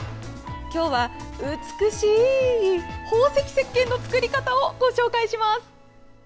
今日は、美しい宝石せっけんの作り方をご紹介します！